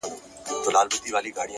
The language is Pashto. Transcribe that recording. زغم د فشار پر وخت شخصیت ساتي’